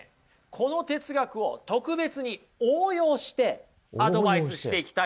この哲学を特別に応用してアドバイスしていきたいと思います。